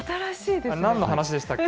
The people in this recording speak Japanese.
なんの話でしたっけ？